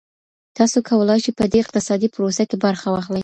تاسو کولای شئ په دې اقتصادي پروسه کي برخه واخلئ.